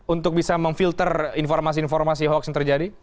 untuk bisa memfilter informasi informasi hoax yang terjadi